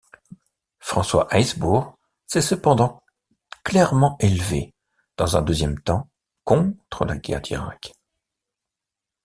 François Heisbourg s'est cependant clairement élevé, dans un deuxième temps, contre la guerre d'Irak.